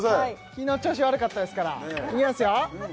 昨日調子悪かったですからいきますよ